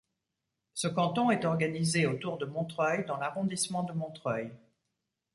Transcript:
Ce canton est organisé autour de Montreuil dans l'arrondissement de Montreuil.